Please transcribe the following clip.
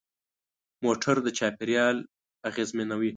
موټر د چاپېریال اغېزمنوي.